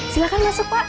silahkan masuk pak